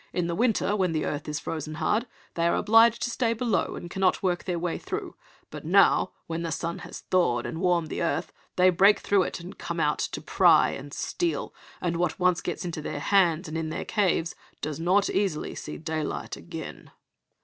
In the winter, when the earth is frozen hard, they are obliged to stay below and cannot work their way through; but now, when the sun has thawed and warmed the earth, they break through it, and come out to pry and steal; and what once gets into their hands, and in their caves, does not easily see daylight again."